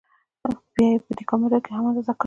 بیا یې په دېکا متره کې هم اندازه کړئ.